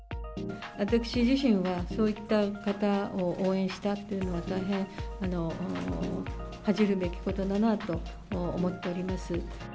私自身は、そういった方を応援したというのは、大変恥じるべきことだなと思っております。